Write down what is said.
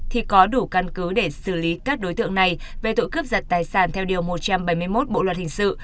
thì có đủ căn cứ để xử lý các đối tượng này về tội cướp giật tài sản theo điều một trăm bảy mươi một bộ luật hình sự